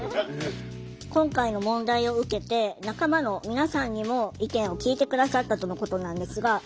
今回の問題を受けて仲間の皆さんにも意見を聞いて下さったとのことなんですが。